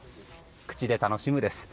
口で楽しむです。